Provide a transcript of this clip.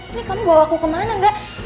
ini kamu bawa aku kemana nggak